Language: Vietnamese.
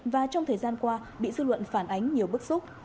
và trong thời gian qua bị dư luận phản ánh nhiều bức xúc